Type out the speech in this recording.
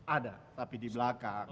ada tapi di belakang